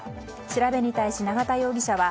調べに対し永田容疑者は